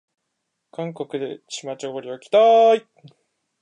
韓国でチマチョゴリを着たい